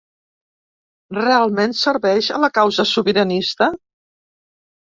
Realment serveix a la causa sobiranista?